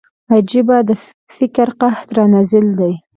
عجيبه د فکر قحط را نازل دی